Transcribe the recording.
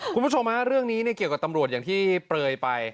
คุณผู้ชมฮะเรื่องนี้เกี่ยวกับตำรวจอย่างที่เปลยไป